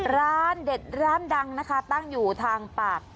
ร้านเด็ดร้านดังนะคะตั้งอยู่ทางปาก